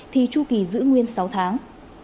thì chu kỳ giữ nguyên sáu tháng